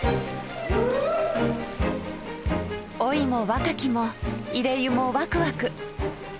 老いも若きもいで湯もワクワク。